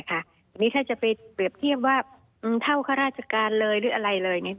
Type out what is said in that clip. อันนี้ถ้าจะไปเปรียบเทียบว่าเท่าข้าราชการเลยหรืออะไรเลย